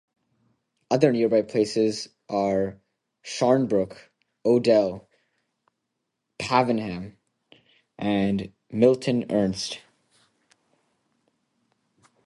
Other nearby places are Sharnbrook, Odell, Pavenham and Milton Ernest.